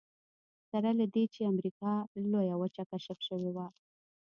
سره له دې چې امریکا لویه وچه کشف شوې وه.